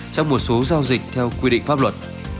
trong một số giao dịch theo quy định pháp luật